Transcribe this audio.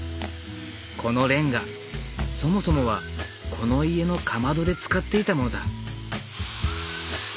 このレンガそもそもはこの家のかまどで使っていたものだ。